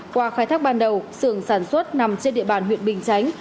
qua khai thác ban đầu xưởng sản xuất nằm trên địa bàn huyện bình chánh